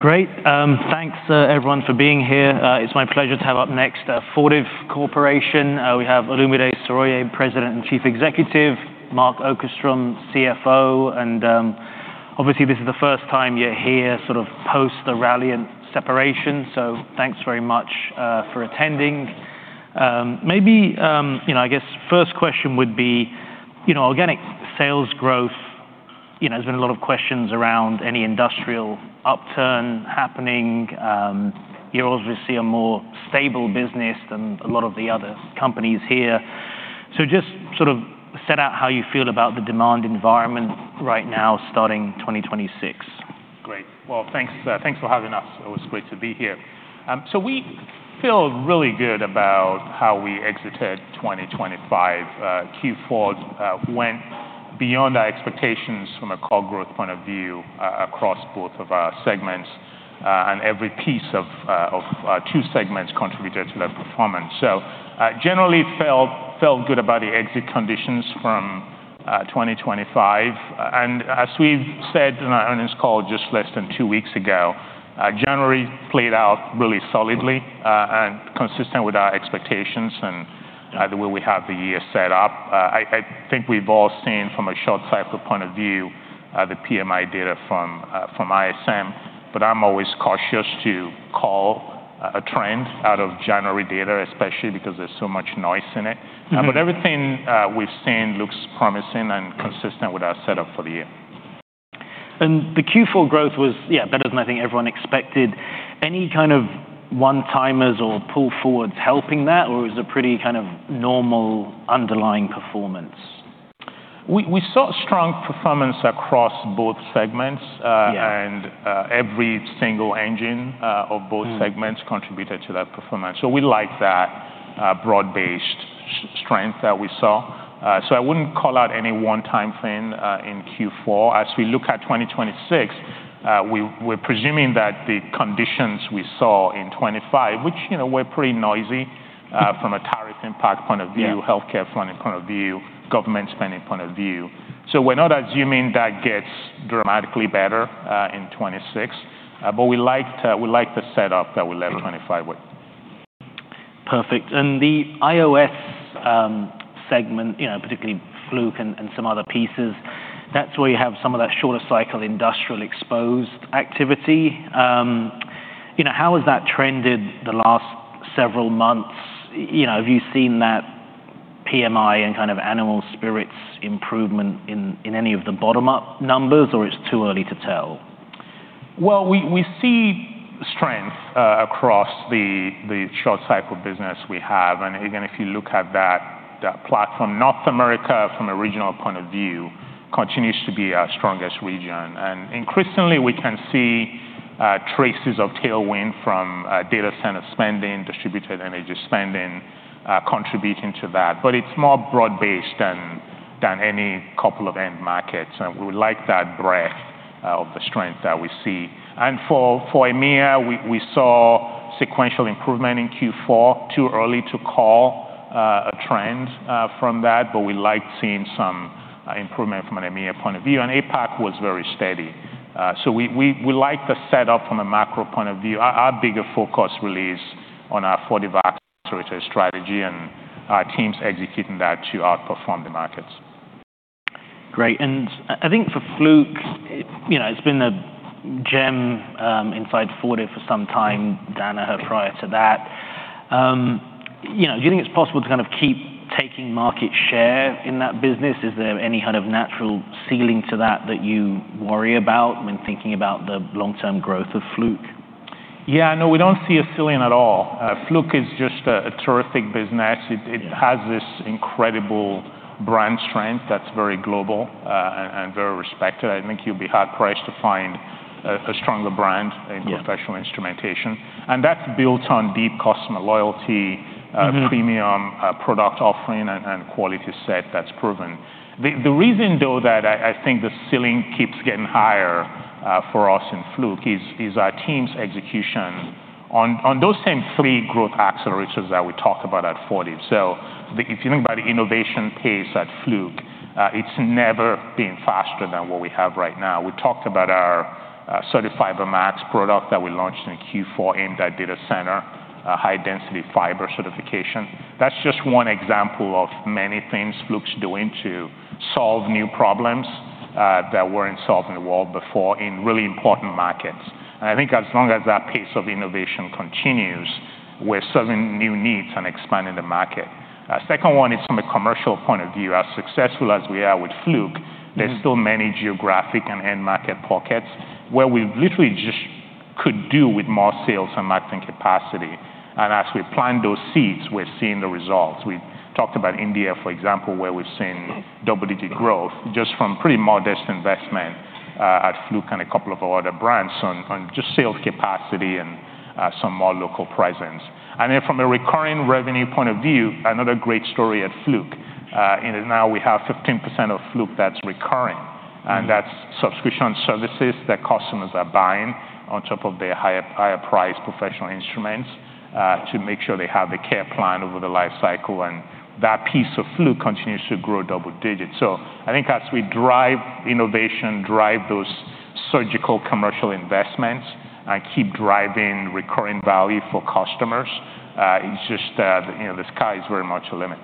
Great. Thanks, everyone for being here. It's my pleasure to have up next, Fortive Corporation. We have Olumide Soroye, President and Chief Executive, Mark Okerstrom, CFO, and, obviously, this is the first time you're here sort of post the Ralliant and separation, so thanks very much for attending. Maybe, you know, I guess first question would be, you know, organic sales growth, you know, there's been a lot of questions around any industrial upturn happening. You're obviously a more stable business than a lot of the other companies here. So just sort of set out how you feel about the demand environment right now, starting 2026. Great. Well, thanks, thanks for having us. It's always great to be here. So we feel really good about how we exited 2025. Q4 went beyond our expectations from a core growth point of view across both of our segments, and every piece of our two segments contributed to that performance. So I generally felt, felt good about the exit conditions from 2025. And as we've said in our earnings call just less than two weeks ago, January played out really solidly, and consistent with our expectations and the way we have the year set up. I think we've all seen, from a short-cycle point of view, the PMI data from ISM, but I'm always cautious to call a trend out of January data, especially because there's so much noise in it. Everything we've seen looks promising and consistent with our setup for the year. The Q4 growth was, yeah, better than I think everyone expected. Any kind of one-timers or pull forwards helping that, or was it a pretty kind of normal underlying performance? We saw strong performance across both segments and, every single engine, of both segments contributed to that performance. So we like that, broad-based strength that we saw. So I wouldn't call out any one-time thing, in Q4. As we look at 2026, we're presuming that the conditions we saw in 2025, which, you know, were pretty noisy, from a tariff impact point of view healthcare funding point of view, government spending point of view. So we're not assuming that gets dramatically better in 2026, but we liked, we liked the setup that we left 2025 with. Perfect. And the IOS, segment, you know, particularly Fluke and, and some other pieces, that's where you have some of that shorter cycle, industrial exposed activity. You know, how has that trended the last several months? You know, have you seen that PMI and kind of animal spirits improvement in, in any of the bottom-up numbers, or it's too early to tell? Well, we see strength across the short cycle business we have. And again, if you look at that platform, North America, from a regional point of view, continues to be our strongest region. And increasingly, we can see traces of tailwind from data center spending, distributed energy spending contributing to that. But it's more broad-based than any couple of end markets, and we like that breadth of the strength that we see. And for EMEA, we saw sequential improvement in Q4. Too early to call a trend from that, but we liked seeing some improvement from an EMEA point of view. And APAC was very steady. So we like the setup from a macro point of view. Our bigger focus really is on our Fortive Acceleration strategy and our teams executing that to outperform the markets. Great. And I think for Fluke, you know, it's been a gem inside Fortive for some time, Danaher prior to that. You know, do you think it's possible to kind of keep taking market share in that business? Is there any kind of natural ceiling to that you worry about when thinking about the long-term growth of Fluke? Yeah. No, we don't see a ceiling at all. Fluke is just a terrific business. It has this incredible brand strength that's very global, and very respected. I think you'd be hard-pressed to find a stronger brand in professional instrumentation, and that's built on deep customer loyalty, premium product offering and quality set that's proven. The reason, though, that I think the ceiling keeps getting higher for us in Fluke is our team's execution on those same three growth accelerators that we talk about at Fortive. So if you think about the innovation pace at Fluke, it's never been faster than what we have right now. We talked about our Certified FiberMax product that we launched in Q4, aimed at data center high-density fiber certification. That's just one example of many things Fluke's doing to solve new problems that weren't solved in the world before in really important markets. And I think as long as that pace of innovation continues, we're serving new needs and expanding the market. Second one is from a commercial point of view. As successful as we are with Fluke, there's still many geographic and end market pockets where we literally just could do with more sales and marketing capacity. As we plant those seeds, we're seeing the results. We've talked about India, for example, where we've seen double-digit growth just from pretty modest investment at Fluke and a couple of our other brands on just sales capacity and some more local presence. Then from a recurring revenue point of view, another great story at Fluke, and now we have 15% of Fluke that's recurring. And that's subscription services that customers are buying on top of their higher, higher priced professional instruments to make sure they have a care plan over the life cycle, and that piece of Fluke continues to grow double digits. So I think as we drive innovation, drive those surgical commercial investments and keep driving recurring value for customers, it's just that, you know, the sky is very much the limit.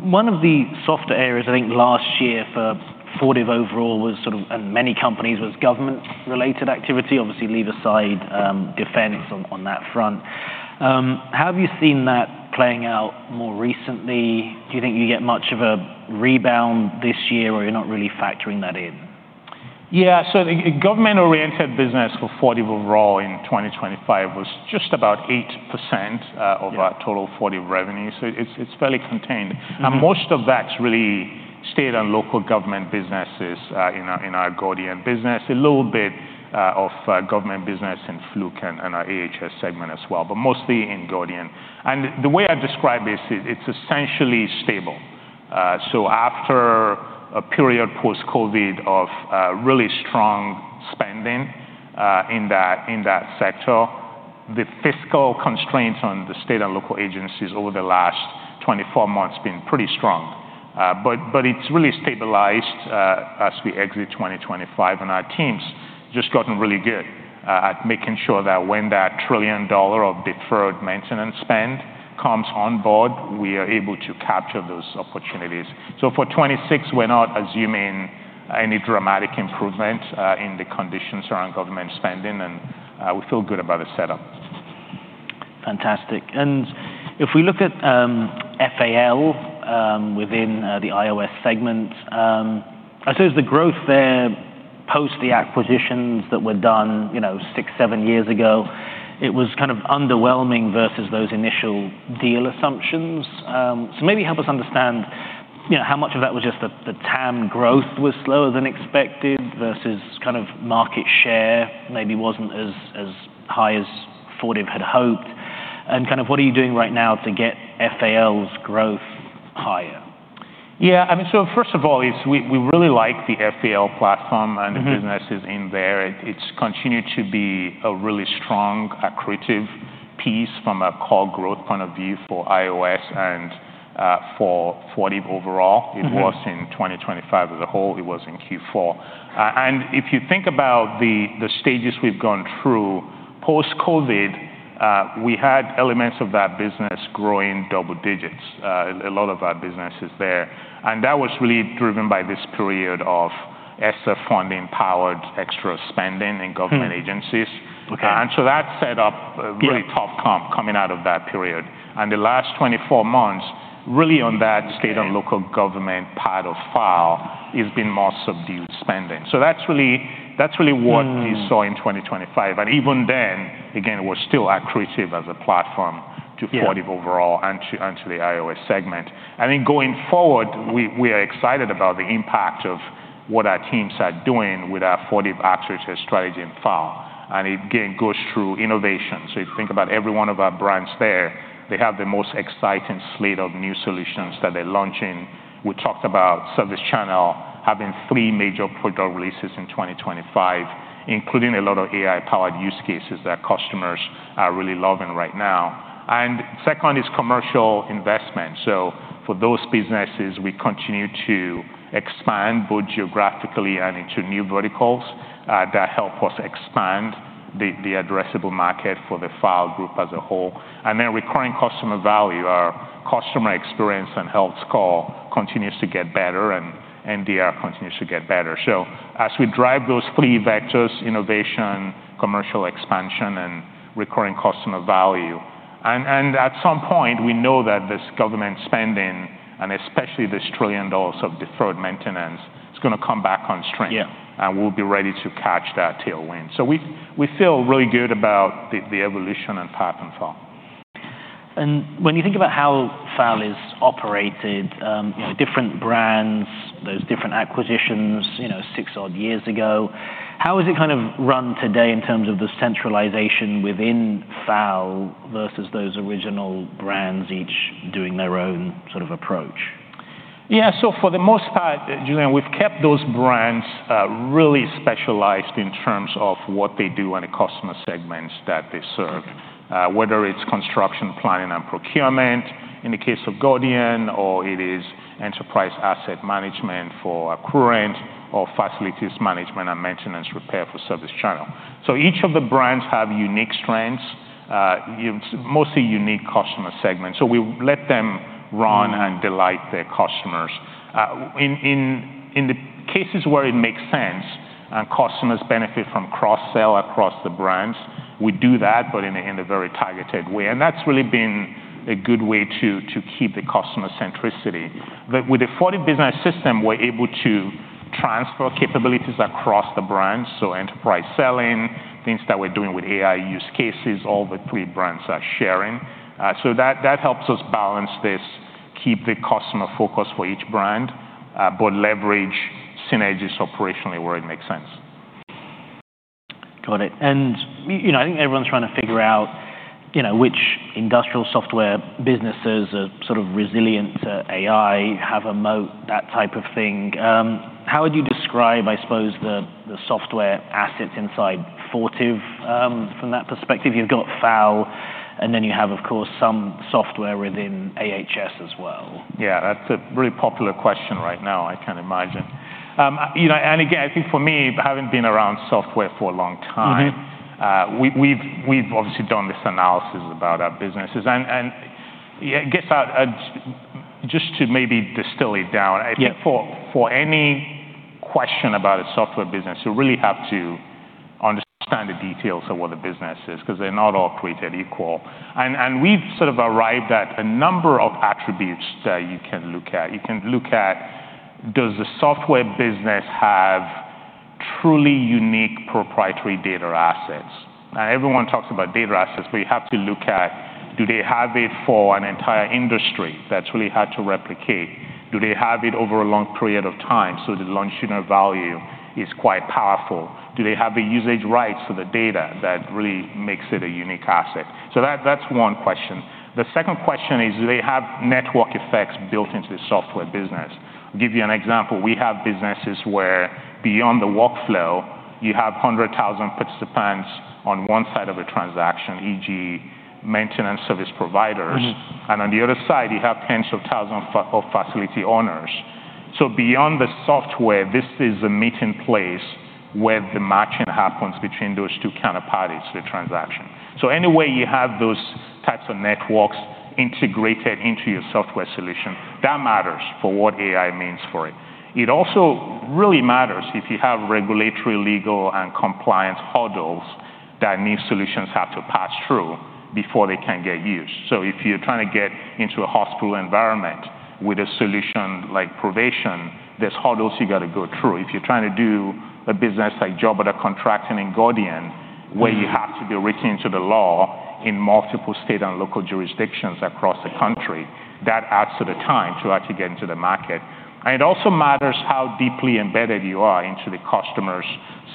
One of the softer areas, I think, last year for Fortive overall was sort of, and many companies, was government-related activity. Obviously, leave aside, defense on that front. How have you seen that playing out more recently? Do you think you get much of a rebound this year, or you're not really factoring that in? Yeah, so the government-oriented business for Fortive overall in 2025 was just about 8% of our total Fortive revenue, so it's, it's fairly contained. Most of that's really state and local government businesses in our Gordian business. A little bit of government business in Fluke and our AHS segment as well, but mostly in Gordian. And the way I describe this is it's essentially stable. So after a period post-COVID of really strong spending in that sector, the fiscal constraints on the state and local agencies over the last 24 months have been pretty strong. But it's really stabilized as we exit 2025, and our team's just gotten really good at making sure that when that trillion dollar of deferred maintenance spend comes on board, we are able to capture those opportunities. So for 2026, we're not assuming any dramatic improvement in the conditions around government spending, and we feel good about the setup. Fantastic. If we look at FAL within the IOS segment, I'd say the growth there post the acquisitions that were done, you know, 6, 7 years ago, it was kind of underwhelming versus those initial deal assumptions. So maybe help us understand, you know, how much of that was just the TAM growth was slower than expected versus kind of market share maybe wasn't as high as Fortive had hoped, and kind of what are you doing right now to get FAL's growth higher? Yeah, I mean, so first of all, we really like the FAL platform the businesses in there. It's continued to be a really strong, accretive piece from a core growth point of view for IOS and for Fortive overall. It was in 2025 as a whole. It was in Q4. If you think about the stages we've gone through post-COVID, we had elements of that business growing double digits in a lot of our businesses there, and that was really driven by this period of ESSER funding-powered extra spending in government agencies. Hmm. Okay. And so that set up a really tough comp coming out of that period. The last 24 months, really on that state and local government part of FAL has been more subdued spending. So that's really, that's really what we saw in 2025. And even then, again, it was still accretive as a platform to Fortive overall and to the IOS segment. I think going forward, we are excited about the impact of what our teams are doing with our Fortive accretive strategy in FAL, and it again goes through innovation. So if you think about every one of our brands there, they have the most exciting slate of new solutions that they're launching. We talked about ServiceChannel having 3 major product releases in 2025, including a lot of AI-powered use cases that customers are really loving right now. And second is commercial investment. So for those businesses, we continue to expand both geographically and into new verticals that help us expand the addressable market for the FAL group as a whole. And then recurring customer value. Our customer experience and health score continues to get better, and NDR continues to get better. So as we drive those three vectors: innovation, commercial expansion, and recurring customer value... And, and at some point, we know that this government spending, and especially this $1 trillion of deferred maintenance, is gonna come back on stream. Yeah And we'll be ready to catch that tailwind. So we feel really good about the evolution and path in FAL. When you think about how FAL is operated, you know, different brands, those different acquisitions, you know, 6-odd years ago, how is it kind of run today in terms of the centralization within FAL versus those original brands, each doing their own sort of approach? Yeah. So for the most part, Julian, we've kept those brands really specialized in terms of what they do and the customer segments that they serve, whether it's construction, planning, and procurement, in the case of Gordian, or it is enterprise asset management for Accruent or facilities management and maintenance repair for ServiceChannel. So each of the brands have unique strengths, mostly unique customer segments. So we let them run and delight their customers. In the cases where it makes sense and customers benefit from cross-sell across the brands, we do that, but in a very targeted way, and that's really been a good way to keep the customer centricity. But with the Fortive Business System, we're able to transfer capabilities across the brands, so enterprise selling, things that we're doing with AI use cases, all the three brands are sharing. So that helps us balance this, keep the customer focus for each brand, but leverage synergies operationally where it makes sense. Got it. And, you know, I think everyone's trying to figure out, you know, which industrial software businesses are sort of resilient to AI, have a moat, that type of thing. How would you describe, I suppose, the software assets inside Fortive, from that perspective? You've got FAL. And then you have, of course, some software within AHS as well. Yeah, that's a really popular question right now, I can imagine. You know, and again, I think for me, having been around software for a long time . We've obviously done this analysis about our businesses, and, yeah, I guess, just to maybe distill it down. Yeah I think for any question about a software business, you really have to understand the details of what the business is, 'cause they're not all created equal. And we've sort of arrived at a number of attributes that you can look at. You can look at, does the software business have truly unique proprietary data assets? Now, everyone talks about data assets, but you have to look at, do they have it for an entire industry that's really hard to replicate? Do they have it over a long period of time, so the longitudinal value is quite powerful? Do they have the usage rights to the data that really makes it a unique asset? So that's one question. The second question is, do they have network effects built into the software business? I'll give you an example. We have businesses where beyond the workflow, you have 100,000 participants on one side of a transaction, e.g., maintenance service providers. On the other side, you have tens of thousands of facility owners. Beyond the software, this is a meeting place where the matching happens between those two counterparties to the transaction. Any way you have those types of networks integrated into your software solution, that matters for what AI means for it. It also really matters if you have regulatory, legal, and compliance hurdles that new solutions have to pass through before they can get used. If you're trying to get into a hospital environment with a solution like Provation, there's hurdles you gotta go through. If you're trying to do a business like Job Order Contracting and Gordian where you have to be written into the law in multiple state and local jurisdictions across the country, that adds to the time to actually get into the market. It also matters how deeply embedded you are into the customer's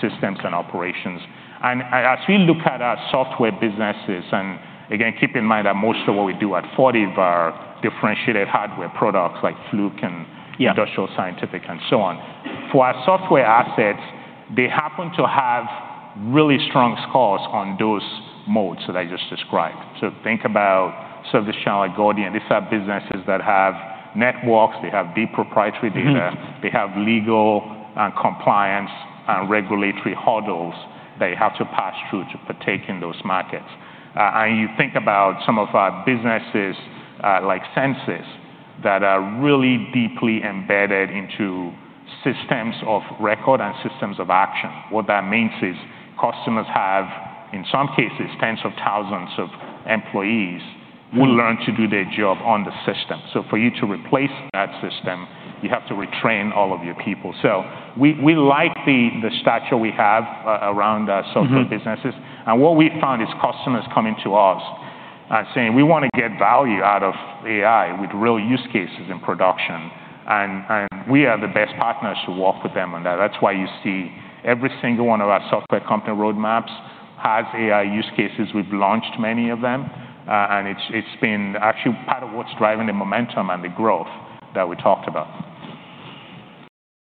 systems and operations. As we look at our software businesses, and again, keep in mind that most of what we do at Fortive are differentiated hardware products like Fluke and Industrial Scientific, and so on. For our software assets, they happen to have really strong scores on those modes that I just described. So think about ServiceChannel like Gordian. These are businesses that have networks, they have deep proprietary data they have legal and compliance and regulatory hurdles they have to pass through to partake in those markets. And you think about some of our businesses, like Censis, that are really deeply embedded into systems of record and systems of action. What that means is customers have, in some cases, tens of thousands of employees who learn to do their job on the system. So for you to replace that system, you have to retrain all of your people. So we like the stature we have around our software businesses. What we've found is customers coming to us and saying, "We wanna get value out of AI with real use cases in production." And we are the best partners to work with them on that. That's why you see every single one of our software company roadmaps has AI use cases. We've launched many of them, and it's been actually part of what's driving the momentum and the growth that we talked about.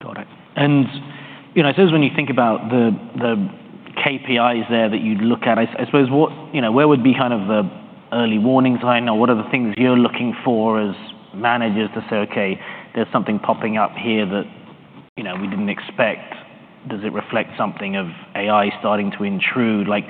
Got it. And, you know, I suppose when you think about the KPIs there that you'd look at, I suppose what... You know, where would be kind of the early warning sign, or what are the things you're looking for as managers to say, "Okay, there's something popping up here that, you know, we didn't expect?" Does it reflect something of AI starting to intrude? Like,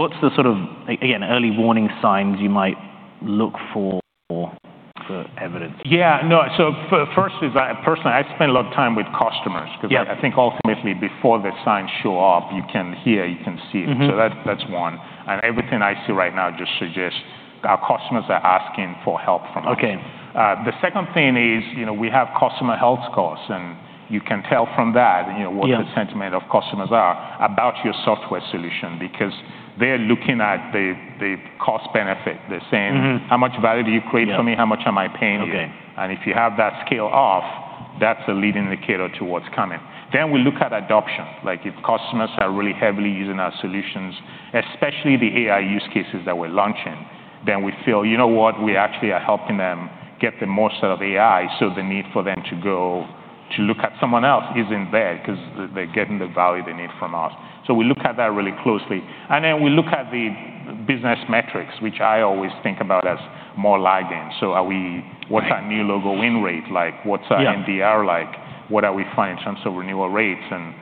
what's the sort of, again, early warning signs you might look for for evidence? Yeah. No, so first is I, personally, I spend a lot of time with customers cause I think ultimately, before the signs show up, you can hear, you can see it. So that's, that's one. And everything I see right now just suggests our customers are asking for help from us. Okay. The second thing is, you know, we have customer health scores, and you can tell from that, you know what the sentiment of customers are about your software solution because they're looking at the cost benefit. They're saying: "How much value do you create for me? How much am I paying you? Okay. If you have that scale off, that's a leading indicator to what's coming. We look at adoption, like if customers are really heavily using our solutions, especially the AI use cases that we're launching, then we feel, you know what? We actually are helping them get the most out of AI, so the need for them to go to look at someone else isn't there 'cause they're getting the value they need from us. We look at that really closely. Then we look at the business metrics, which I always think about as more lagging. Are what's our new logo win rate like? Yeah. What's our NDR like? What are we finding in terms of renewal rates and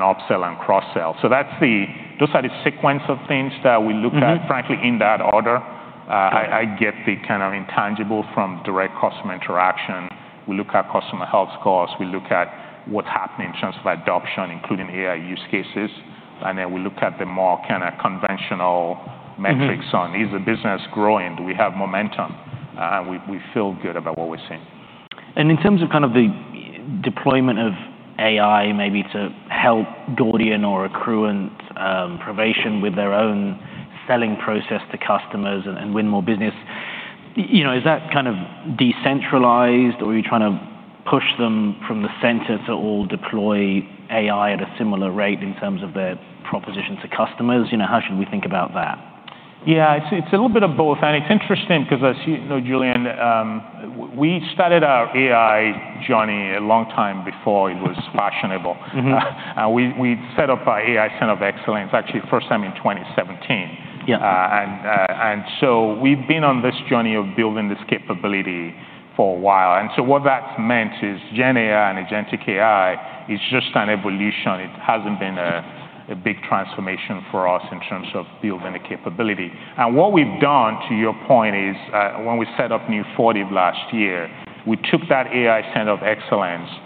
upsell and cross-sell? So that's the, those are the sequence of things that we look at frankly, in that order. Yeah. I get the kind of intangible from direct customer interaction. We look at customer health scores, we look at what's happening in terms of adoption, including AI use cases, and then we look at the more kinda conventional metrics on, is the business growing? Do we have momentum? We feel good about what we're seeing. In terms of kind of the deployment of AI, maybe to help Gordian or Accruent, Provation with their own selling process to customers and win more business, you know, is that kind of decentralized, or are you trying to push them from the center to all deploy AI at a similar rate in terms of their proposition to customers? You know, how should we think about that? Yeah, it's a little bit of both, and it's interesting 'cause as you know, Julian, we started our AI journey a long time before it was fashionableWe set up our AI Center of Excellence, actually, first time in 2017. Yeah. And so we've been on this journey of building this capability for a while. And so what that's meant is Gen AI and Agentic AI is just an evolution. It hasn't been a big transformation for us in terms of building the capability. And what we've done, to your point, is when we set up New Fortive last year, we took that AI center of excellence- Mm-hmm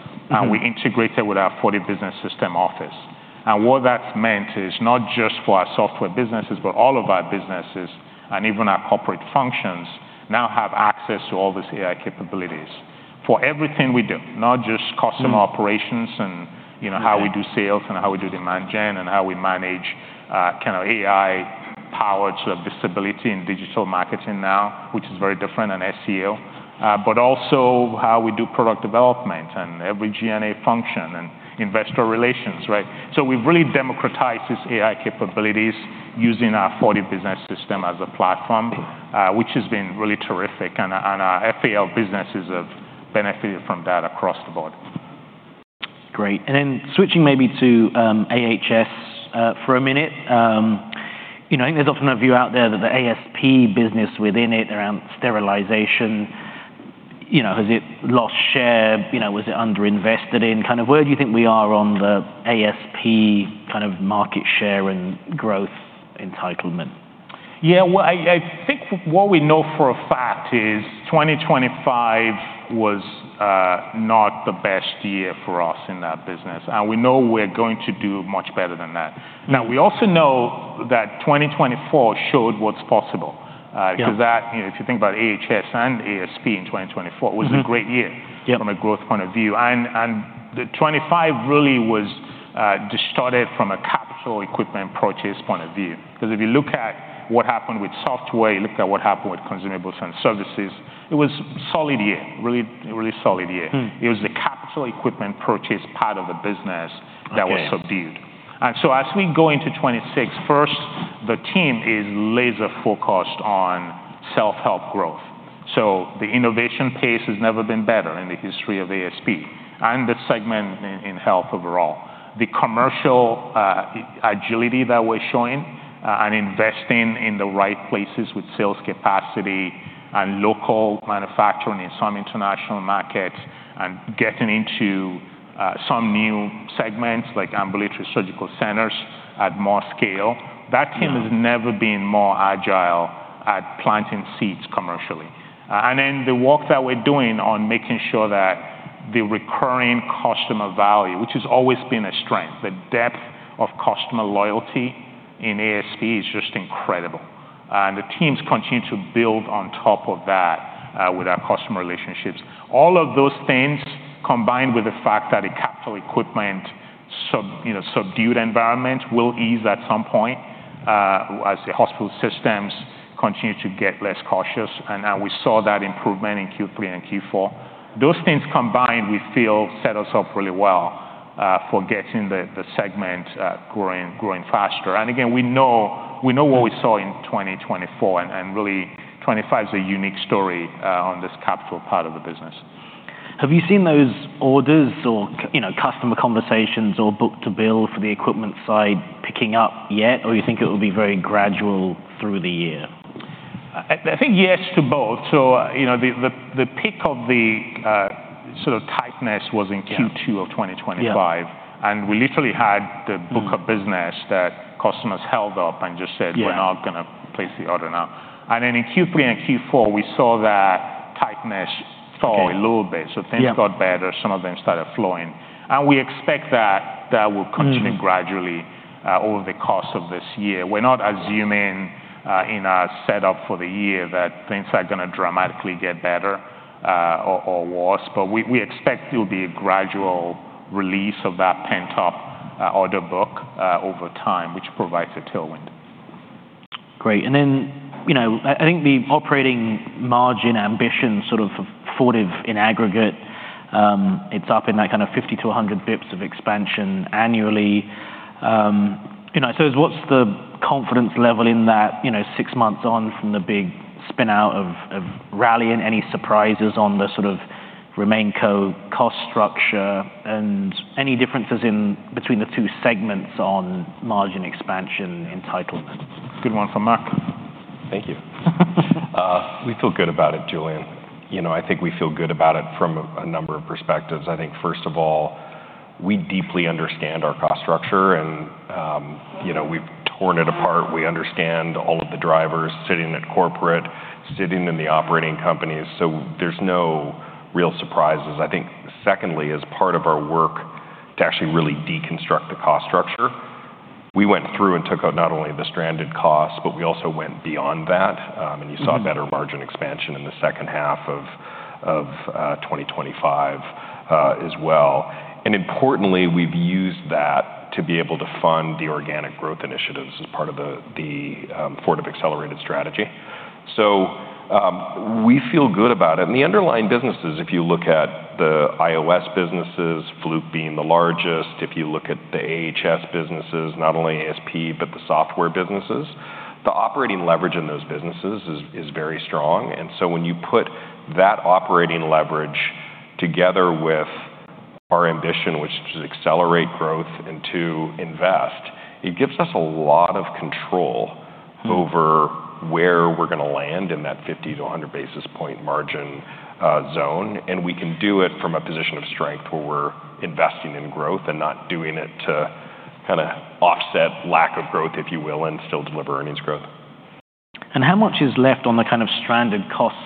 and we integrated with our Fortive Business System office. And what that's meant is not just for our software businesses, but all of our businesses, and even our corporate functions, now have access to all these AI capabilities for everything we do, not just customer operations and, you know how we do sales and how we do demand gen, and how we manage kind of AI power to visibility in digital marketing now, which is very different than SEO. But also how we do product development and every G&A function and investor relations, right? So we've really democratized these AI capabilities using our Fortive Business System as a platform, which has been really terrific. And our FAL businesses have benefited from that across the board. Great. And then switching maybe to AHS for a minute. You know, I think there's often a view out there that the ASP business within it, around sterilization, you know, has it lost share? You know, was it underinvested in? Kind of where do you think we are on the ASP kind of market share and growth entitlement? Yeah, well, I think what we know for a fact is 2025 was not the best year for us in that business, and we know we're going to do much better than that. Now, we also know that 2024 showed what's possible. Cause that, you know, if you think about AHS and ASP in 2024 was a great year. From a growth point of view. And the 2025 really was distorted from a capital equipment purchase point of view, 'cause if you look at what happened with software, you look at what happened with consumables and services, it was a solid year. Really, a really solid year. Mm. It was the capital equipment purchase part of the business that was subdued. And so as we go into 2026, first, the team is laser-focused on self-help growth, so the innovation pace has never been better in the history of ASP and the segment in health overall. The commercial agility that we're showing and investing in the right places with sales capacity and local manufacturing in some international markets, and getting into some new segments like ambulatory surgical centers at more scale. That team has never been more agile at planting seeds commercially. And then the work that we're doing on making sure that the recurring customer value, which has always been a strength, the depth of customer loyalty in ASP is just incredible, and the teams continue to build on top of that, with our customer relationships. All of those things, combined with the fact that a capital equipment subdued environment will ease at some point, as the hospital systems continue to get less cautious, and we saw that improvement in Q3 and Q4. Those things combined, we feel, set us up really well, for getting the segment growing, growing faster. And again, we know what we saw in 2024, and really, 2025 is a unique story, on this capital part of the business. Have you seen those orders or, you know, customer conversations or book-to-bill for the equipment side picking up yet? Or you think it will be very gradual through the year? I think yes to both. So, you know, the peak of the sort of tightness was in Q2 of 2025. Yeah. We literally had the book of business that customers held up and just said- Yeah We're not gonna place the order now." And then in Q3 and Q4, we saw that tightness fall a little bit. Yeah. So things got better, some of them started flowing. And we expect that that will continue gradually, over the course of this year. We're not assuming, in our setup for the year, that things are gonna dramatically get better, or, or worse, but we, we expect it'll be a gradual release of that pent-up, order book, over time, which provides a tailwind. Great. And then, you know, I, I think the operating margin ambition, sort of Fortive in aggregate, it's up in that kind of 50-100 basis points of expansion annually. You know, so what's the confidence level in that, you know, six months on from the big spin-out of Ralliant, and any surprises on the sort of RemainCo cost structure? And any differences in between the two segments on margin expansion entitlement? Good one for Mark. Thank you. We feel good about it, Julian. You know, I think we feel good about it from a number of perspectives. I think, first of all, we deeply understand our cost structure, and, you know, we've torn it apart. We understand all of the drivers sitting at corporate, sitting in the operating companies, so there's no real surprises. I think secondly, as part of our work to actually really deconstruct the cost structure, we went through and took out not only the stranded costs, but we also went beyond that. And you saw better margin expansion in the second half of 2025 as well. And importantly, we've used that to be able to fund the organic growth initiatives as part of the Fortive Accelerated Strategy. So, we feel good about it. And the underlying businesses, if you look at the IOS businesses, Fluke being the largest, if you look at the AHS businesses, not only ASP, but the software businesses, the operating leverage in those businesses is very strong. And so when you put that operating leverage together with our ambition, which is to accelerate growth and to invest, it gives us a lot of control over where we're gonna land in that 50-100 basis point margin zone. We can do it from a position of strength, where we're investing in growth and not doing it to kind of offset lack of growth, if you will, and still deliver earnings growth. How much is left on the kind of stranded cost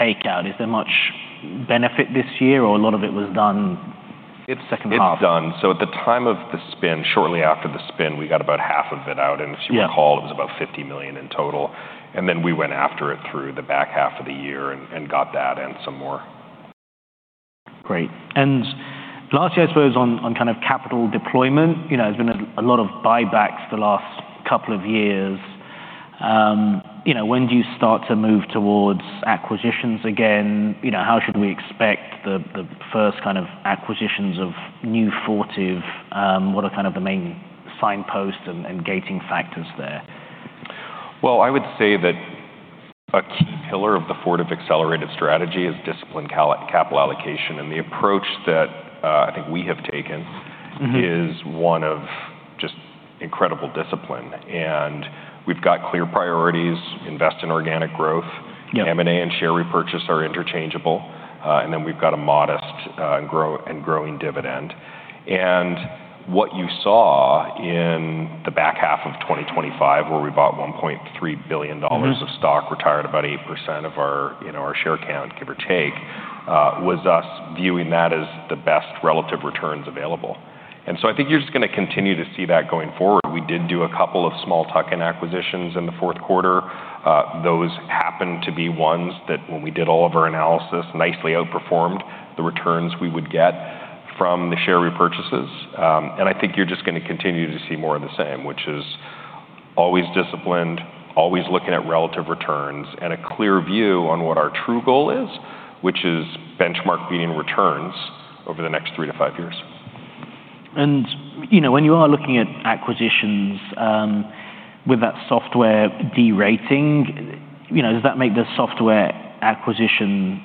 takeout? Is there much benefit this year, or a lot of it was done Iin second half. It's done. So at the time of the spin, shortly after the spin, we got about half of it out. If you recall, it was about $50 million in total, and then we went after it through the back half of the year and got that and some more. Great. And lastly, I suppose on kind of capital deployment, you know, there's been a lot of buybacks the last couple of years. You know, when do you start to move towards acquisitions again? You know, how should we expect the first kind of acquisitions of New Fortive? What are kind of the main signposts and gating factors there? Well, I would say that a key pillar of the Fortive Accelerated strategy is disciplined capital allocation. And the approach that I think we have taken is one of just incredible discipline, and we've got clear priorities: invest in organic growth. M&A and share repurchase are interchangeable. And then we've got a modest, growing dividend. And what you saw in the back half of 2025, where we bought $1.3 billion of stock, retired about 8% of our, you know, our share count, give or take, was us viewing that as the best relative returns available. So I think you're just gonna continue to see that going forward. We did do a couple of small tuck-in acquisitions in the fourth quarter. Those happened to be ones that, when we did all of our analysis, nicely outperformed the returns we would get from the share repurchases. And I think you're just gonna continue to see more of the same, which is always disciplined, always looking at relative returns, and a clear view on what our true goal is, which is benchmark beating returns over the next 3-5 years. You know, when you are looking at acquisitions, with that software derating, you know, does that make the software acquisition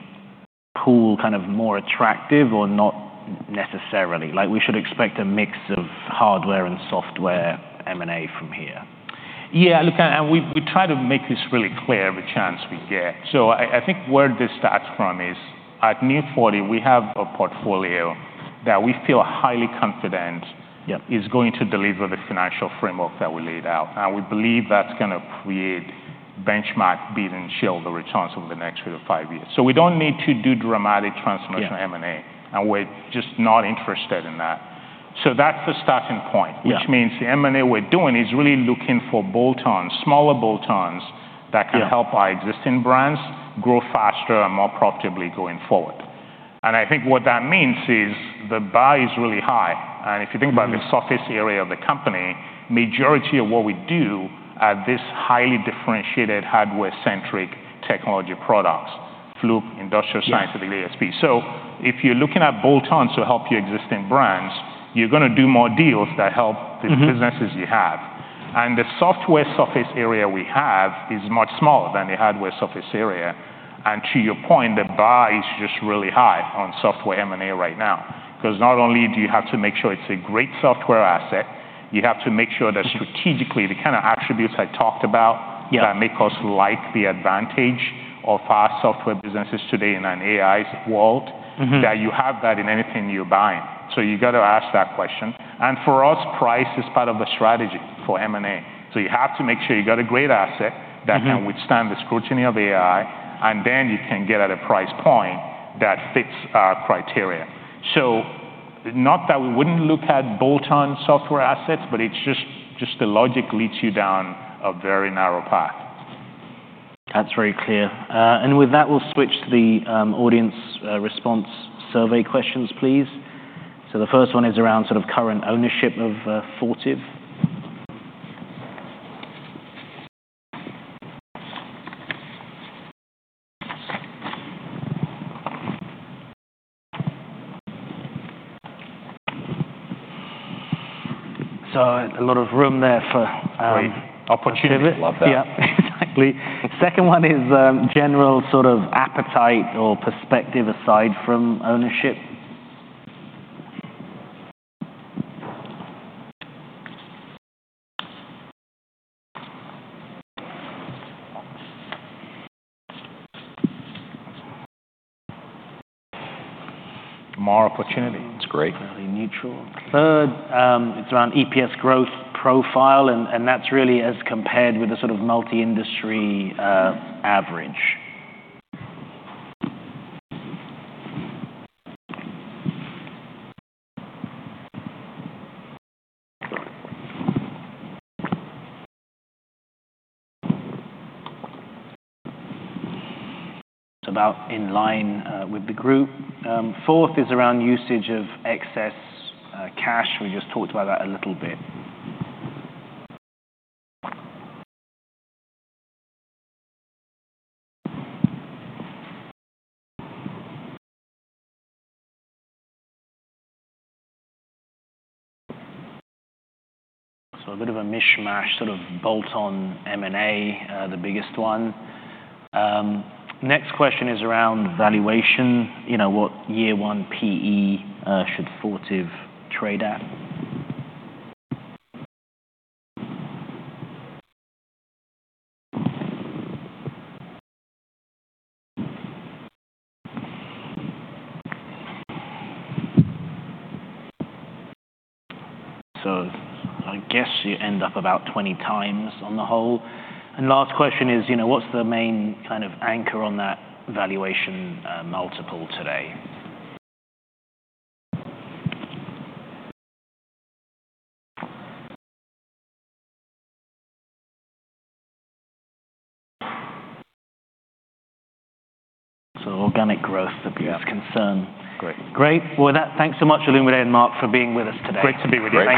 pool kind of more attractive or not necessarily? Like, we should expect a mix of hardware and software M&A from here. Yeah, look, we try to make this really clear every chance we get. So I think where this starts from is, at New Fortive, we have a portfolio that we feel highly confident is going to deliver the financial framework that we laid out, and we believe that's gonna create benchmark beating shareholder returns over the next 3-5 years. So we don't need to do dramatic transformation M&A and we're just not interested in that. So that's the starting point, which means the M&A we're doing is really looking for bolt-ons, smaller bolt-ons, that can help our existing brands grow faster and more profitably going forward. And I think what that means is the bar is really high. And if you think about the surface area of the company, majority of what we do are this highly differentiated, hardware-centric technology products: Fluke, Industrial Scientific, ASP. So if you're looking at bolt-ons to help your existing brands, you're gonna do more deals that help the businesses you have. The software surface area we have is much smaller than the hardware surface area. To your point, the bar is just really high on software M&A right now, 'cause not only do you have to make sure it's a great software asset, you have to make sure that strategically, the kind of attributes I talked about that make us like the advantage of our software businesses today in an AI world that you have that in anything you're buying. So you've got to ask that question. And for us, price is part of the strategy for M&A. So you have to make sure you got a great asset that can withstand the scrutiny of AI, and then you can get at a price point that fits our criteria. So not that we wouldn't look at bolt-on software assets, but it's just, just the logic leads you down a very narrow path. That's very clear. And with that, we'll switch to the audience response survey questions, please. So the first one is around sort of current ownership of Fortive. So a lot of room there for Great opportunity. Yeah, exactly. Second one is, general sort of appetite or perspective aside from ownership. More opportunity. It's great. Fairly neutral. Third, it's around EPS growth profile, and that's really as compared with the sort of multi-industry average. It's about in line with the group. Fourth is around usage of excess cash. We just talked about that a little bit. So a bit of a mishmash, sort of bolt-on M&A, the biggest one. Next question is around valuation. You know, what year one PE should Fortive trade at? So I guess you end up about 20x on the whole. And last question is, you know, what's the main kind of anchor on that valuation multiple today? So organic growth, the biggest concern. Great. Great. Well, with that, thanks so much, Olumide and Mark, for being with us today. Great to be with you. Thank you.